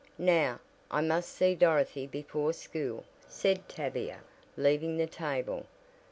"Now, I must see Dorothy before school," said Tavia, leaving the table.